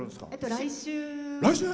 来週。